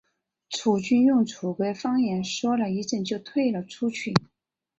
楚军用楚国方言说了一阵就退了出去。